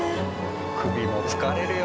首も疲れるよ。